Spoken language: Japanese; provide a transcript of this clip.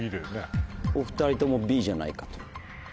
お２人ともＢじゃないかと。